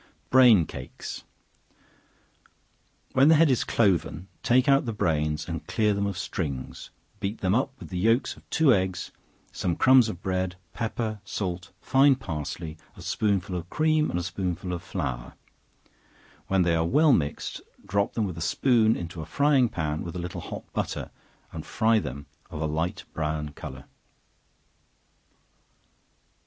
Brain Cakes. When the head is cloven, take out the brains and clear them of strings, beat them up with the yelks of two eggs, some crumbs of bread, pepper, salt, fine parsley, a spoonful of cream, and a spoonful of flour; when they are well mixed, drop them with a spoon into a frying pan with a little hot butter, and fry them of a light brown color.